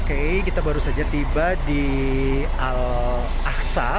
oke kita baru saja tiba di al aksa